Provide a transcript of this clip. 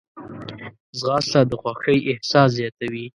ځغاسته د خوښۍ احساس زیاتوي